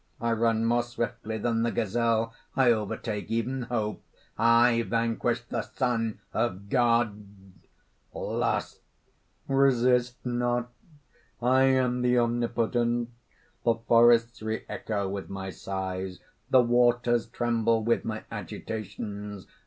I run more swiftly than the gazelle; I overtake even Hope; I vanquished the Son of God!" LUST. "Resist not! I am the Omnipotent! The forests re echo with my sighs; the waters tremble with my agitations.